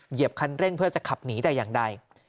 เหยียบคันเร่งเพื่อจะขับหนีแต่อย่างใด